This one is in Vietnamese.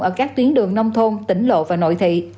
ở các tuyến đường nông thôn tỉnh lộ và nội thị